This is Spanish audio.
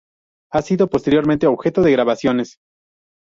Ha sido posteriormente objeto de grabaciones.